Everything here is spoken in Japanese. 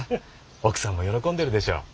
奥さんも喜んでるでしょう。